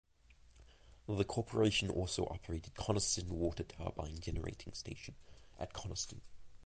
The corporation also operated Coniston water turbine generating station at Coniston.